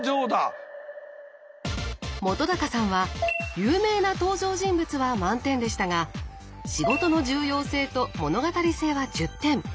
本さんは「有名な登場人物」は満点でしたが「仕事の重要性」と「物語性」は１０点。